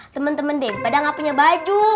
temen temen debi pada gak punya baju